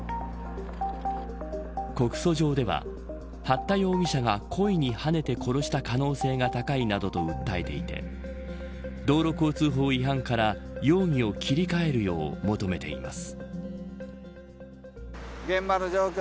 告訴状では、八田容疑者が故意にはねて殺した可能性が高いなどと訴えていて道路交通法違反から容疑を切り替えるよう求めています。